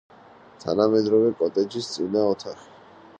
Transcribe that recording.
თანამედროვე კოტეჯის წინა ოთახი.